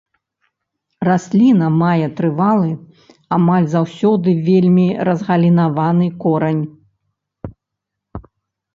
Расліна мае трывалы, амаль заўсёды вельмі разгалінаваны корань.